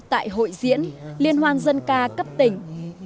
tại hội diễn liên hoan dân ca cấp tỉnh